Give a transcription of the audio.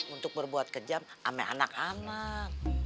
untuk berbuat kejam sama anak anak